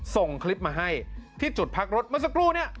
ส่งคลิปมาให้ที่จุดพักรถเมื่อสักครู่เนี่ย